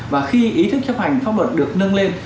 và khi ý thức chấp hành pháp luật được nâng lên